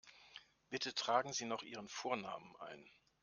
Bitte tragen Sie noch Ihren Vornamen ein.